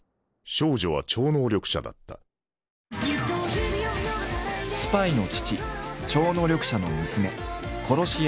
少女は超能力者だったスパイの父超能力者の娘殺し屋の母。